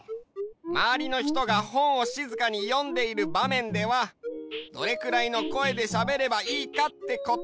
まわりのひとがほんをしずかによんでいるばめんではどれくらいの声でしゃべればいいかってことだね。